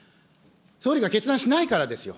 総理が決断しないからですよ。